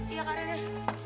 iya kak renen